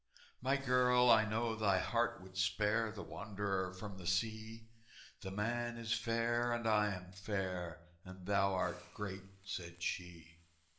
"My girl, I know thy heart would spare The wanderer from the sea." "The man is fair, and I am fair, And thou art great," said she.